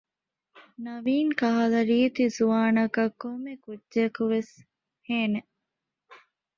ނަވީން ކަހަލަ ރީތި ޒުވާނަކަށް ކޮންމެކުއްޖަކުވެސް ރުހޭނެ